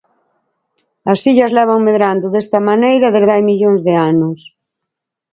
As illas levan medrando desta maneira desde hai millóns de anos.